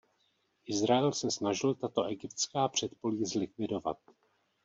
Izrael se snažil tato egyptská předpolí zlikvidovat.